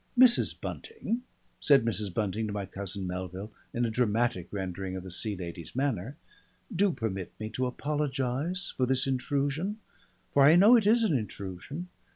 "Mrs. Bunting," said Mrs. Bunting to my cousin Melville, in a dramatic rendering of the Sea Lady's manner, "do permit me to apologise for this intrusion, for I know it is an intrusion.